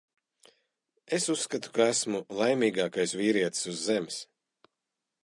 Es uzskatu, ka esmu laimīgākais vīrietis uz Zemes.